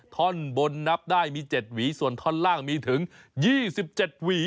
ท่อนบนนับได้มี๗หวีส่วนท่อนล่างมีถึง๒๗หวี